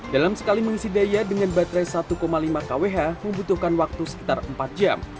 dalam sekali mengisi daya dengan baterai satu lima kwh membutuhkan waktu sekitar empat jam